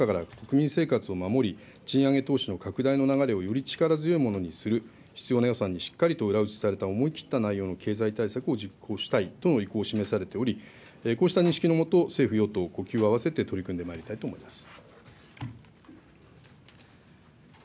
岸田総理も物価高から国民生活を守り、賃上げ投資の拡大の流れをより力強いものにする、必要な予算にしっかり裏打ちされた思い切った内容の経済対策を実行したいとの意向を示されており、こうした認識のもと、政府・与党、呼吸を合わせて取り組んでまいりたいと思います。